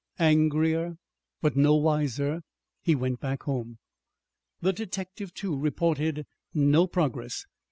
Angrier, but no wiser, he went back home. The detective, too, reported no progress.